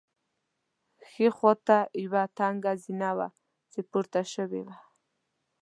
ښي خوا ته یوه تنګه زینه وه چې پورته شوې وه.